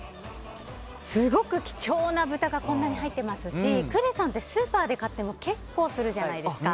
すごく貴重な豚がこんなに入ってますしクレソンってスーパーで買っても結構するじゃないですか。